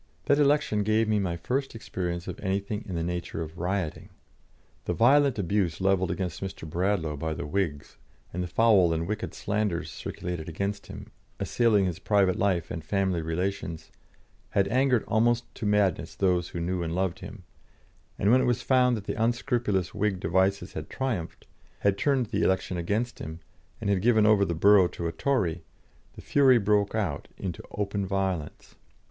That election gave me my first experience of anything in the nature of rioting. The violent abuse levelled against Mr. Bradlaugh by the Whigs, and the foul and wicked slanders circulated against him, assailing his private life and family relations, had angered almost to madness those who knew and loved him; and when it was found that the unscrupulous Whig devices had triumphed, had turned the election against him, and given over the borough to a Tory, the fury broke out into open violence.